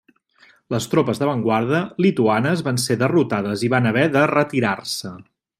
Les tropes d'avantguarda lituanes van ser derrotades i van haver de retirar-se.